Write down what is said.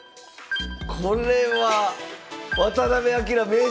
これは渡辺明名人！